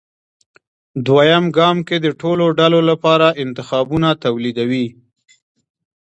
دویم ګام کې د ټولو ډلو لپاره انتخابونه توليدوي.